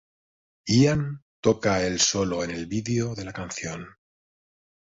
Ian toca el solo en el vídeo de la canción.